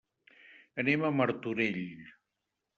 Anem a Martorell.